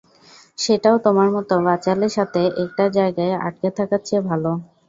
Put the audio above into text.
সেটাও তোমার মতো বাচালের সাথে একটা জায়গায় আঁটকে থাকার চেয়ে ভালো।